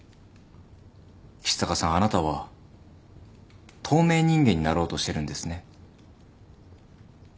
橘高さんあなたは透明人間になろうとしてるんですね。